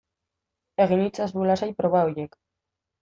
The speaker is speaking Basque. Egin itzazu lasai proba horiek